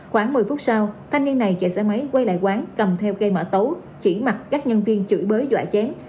khoảng một mươi phút sau thanh niên này chạy xe máy quay lại quán cầm theo cây mã tấu chỉ mặt các nhân viên chửi bới dọa chén